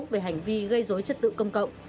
về hành vi gây dối chất tự công cộng